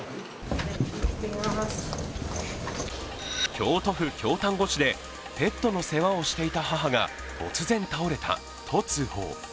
京都府京丹後市でペットの世話をしていた母が突然倒れたと通報。